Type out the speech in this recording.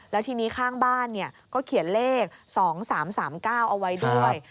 แล้วทีนี้ข้างบ้านก็เขียนเลข๒๓๓๙เอาไว้ด้วย